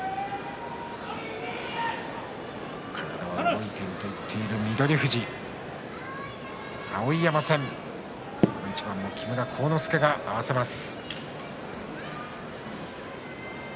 体は動いていると言っている翠富士、碧山戦この一番も木村晃之助が合わせます。